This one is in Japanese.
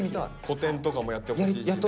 個展とかもやってほしいしね。